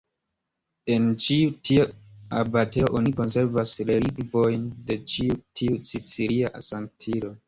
En ĉi tiu abatejo oni konservas relikvojn de ĉi tiu sicilia sanktulo.